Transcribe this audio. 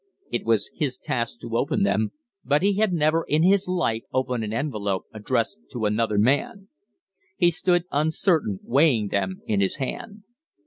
It was his task to open them, but he had never in his life opened an envelope addressed to another man. He stood uncertain, weighing them in his hand.